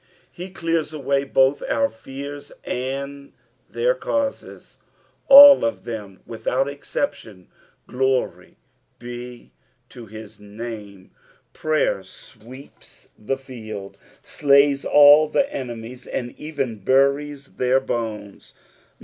He clears away both our fears and their causes, all of them without exception. Glory be to his name, prayer sweeps "^ FSALU THE THIRTY POUKTH. "\139 tbe field, slays all the enemies and even buries their boaes.